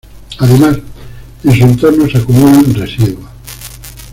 Además, en su entorno se acumulan residuos.